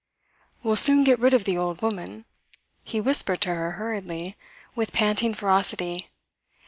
"We'll soon get rid of the old woman," he whispered to her hurriedly, with panting ferocity.